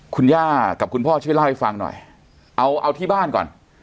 คุณย่ากับคุณพ่อช่วยเล่าให้ฟังหน่อยเอาเอาที่บ้านก่อน